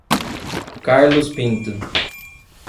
Carlos Pinto